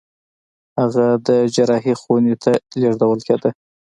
هغه د جراحي خونې ته لېږدول کېده.